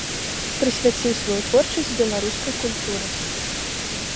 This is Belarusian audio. Прысвяціў сваю творчасць беларускай культуры.